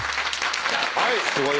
はい！